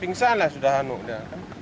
pingsanlah sudah anaknya